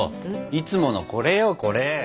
いつものこれよこれ！